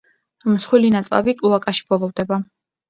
მსხვილი ნაწლავი კლოაკაში ბოლოვდება.